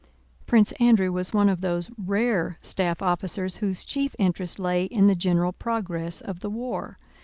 Prince Andrew was one of those rare staff officers whose chief interest lay in the general progress of the war.